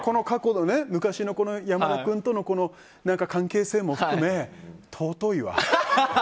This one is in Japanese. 昔の山田君との関係性も含め尊いわ。